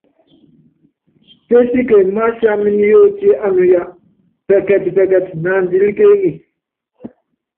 Pésíke masiámin yóotié ánuya pɛkɛtpɛkɛt naandilíkéeŋisí.